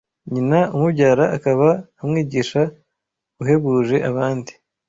nyina umubyara akaba umwigisha uhebuje abandi